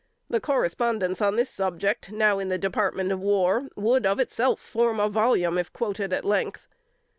The correspondence on this subject, now in the Department of War, would of itself form a volume, if quoted at length.